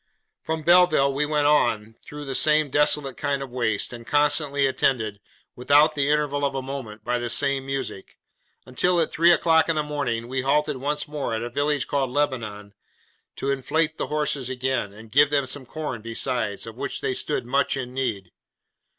From Belleville, we went on, through the same desolate kind of waste, and constantly attended, without the interval of a moment, by the same music; until, at three o'clock in the afternoon, we halted once more at a village called Lebanon to inflate the horses again, and give them some corn besides: of which they stood much in need.